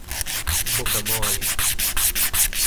Boca-mole